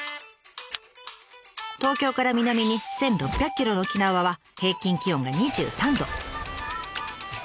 東京から南に１，６００ｋｍの沖縄は平均気温が２３度。